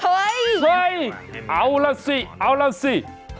เฮ้ยเฮ้ยเอาล่ะสิเอาล่ะสิ